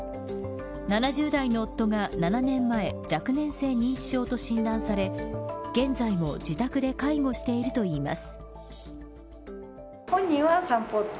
７０代の夫が７年前若年性認知症と診断され現在も自宅で介護しているといいます。